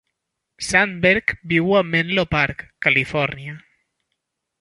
Sandberg viu al Menlo Park, Califòrnia.